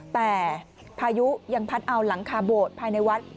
แต่พายุยังพัดเอาหลังคาโบสถ์ภายในวัด